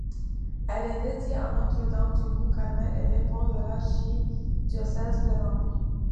Elle est dédiée à Notre-Dame du Mont-Carmel et dépend de l'archidiocèse de Naples.